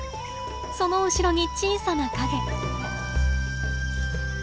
その後ろに小さな影。